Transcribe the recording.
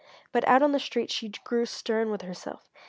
But out on the street she grew stern with herself.